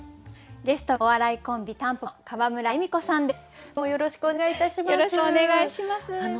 ゲストはお笑いコンビたんぽぽの川村エミコさんです。